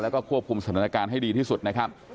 แล้วก็ควบคุมสถานการณ์ให้ดีที่สุดนะครับ